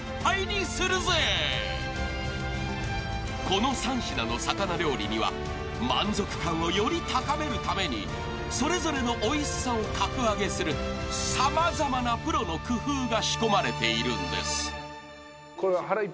［この３品の魚料理には満足感をより高めるためにそれぞれのおいしさを格上げする様々なプロの工夫が仕込まれているんです］